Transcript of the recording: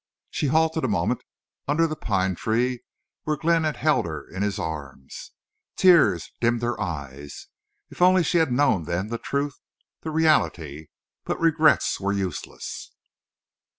She halted a moment under the pine tree where Glenn had held her in his arms. Tears dimmed her eyes. If only she had known then the truth, the reality! But regrets were useless.